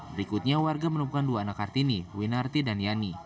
berikutnya warga menemukan dua anak kartini winarti dan yani